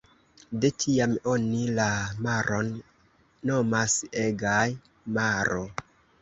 De tiam oni la maron nomas Egea Maro.